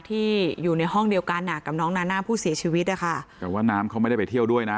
ที่อยู่ในห้องเดียวกันอ่ะกับน้องนาน่าผู้เสียชีวิตนะคะแต่ว่าน้ำเขาไม่ได้ไปเที่ยวด้วยนะ